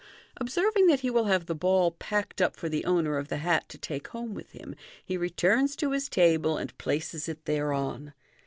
Observing that he will have the ball packed up for the owner of the hat to take home with him, he returns to his table, and places it thereon.